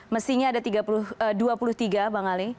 mestinya ada dua puluh tiga bang ali